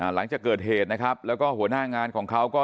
หลังจากเกิดเหตุนะครับแล้วก็หัวหน้างานของเขาก็